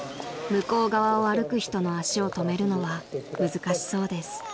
［向こう側を歩く人の足を止めるのは難しそうです］